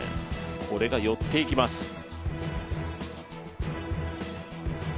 これが寄っていきます。